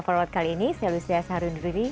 for world kali ini saya lucia saharwindridi